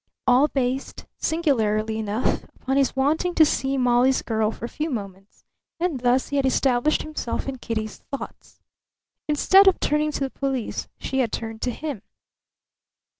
All based, singularly enough, upon his wanting to see Molly's girl for a few moments; and thus he had established himself in Kitty's thoughts. Instead of turning to the police she had turned to him.